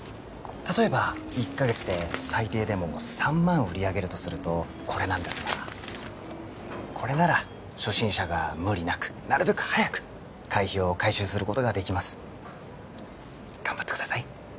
例えば１カ月で最低でも３万売り上げるとするとこれなんですがこれなら初心者が無理なくなるべく早く会費を回収することができます頑張ってください